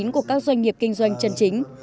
các doanh nghiệp kinh doanh chân chính